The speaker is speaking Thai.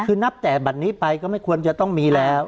คือนับแต่บัตรนี้ไปก็ไม่ควรจะต้องมีแล้ว